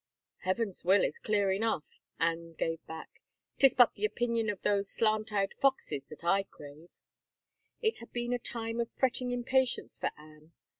" Heaven's will is clear enough," Anne gave back. " Tis but the opinion of those slant eyed foxes that / crave !" It had been a time of fretting impatience for Anne.